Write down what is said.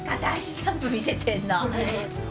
ジャンプ見せてんの？